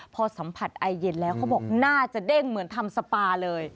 พอสัมผัสไอเย็นแล้วเขาบอกน่าจะเด้งเหมือนทำสปาเลย